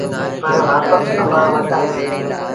پر وآپس اڀآنٚ وٽ آئيٚس۔